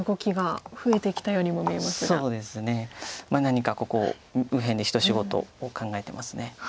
何かここ右辺で一仕事を考えてます。